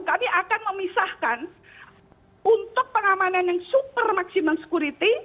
kami akan memisahkan untuk pengamanan yang super maksimum security